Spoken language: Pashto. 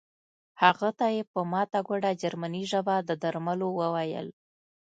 هغه ته یې په ماته ګوډه جرمني ژبه د درملو وویل